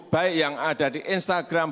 baik yang ada di instagram